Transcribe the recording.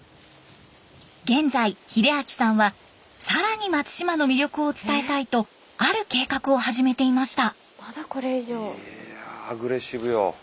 現在秀明さんは更に松島の魅力を伝えたいとある計画を始めていました。